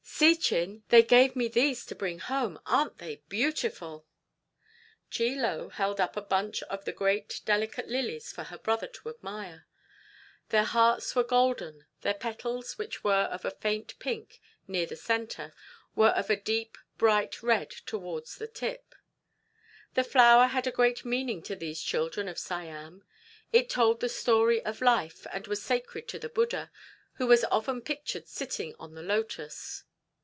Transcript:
"See, Chin, they gave me these to bring home. Aren't they beautiful?" Chie Lo held up a bunch of the great, delicate lilies for her brother to admire. Their hearts were golden; the petals, which were of a faint pink near the centre, were of a deep, bright red toward the tips. The flower had a great meaning to these children of Siam. It told the story of life, and was sacred to the Buddha, who was often pictured sitting on the lotus.